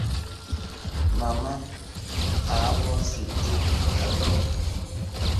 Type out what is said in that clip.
Màma à avɔ̄sì tit a du.